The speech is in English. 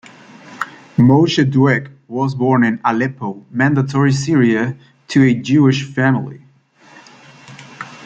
Moshe Dwek was born in Aleppo, Mandatory Syria, to a Jewish family.